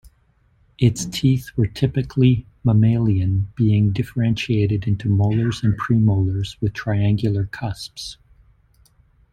Its teeth were typically mammalian, being differentiated into molars and premolars with triangular cusps.